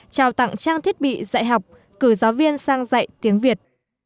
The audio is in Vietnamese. trao tặng trang thiết bị dạy học cử giáo viên sang dạy tiếng việt